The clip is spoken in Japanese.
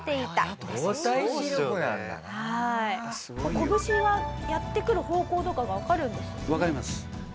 拳がやって来る方向とかがわかるんですよね？